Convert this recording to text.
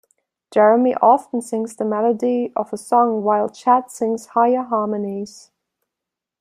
Jeremy often sings the melody of a song while Chad sings higher harmonies.